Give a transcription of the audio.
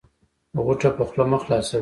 غوټه په خوله مه خلاصوی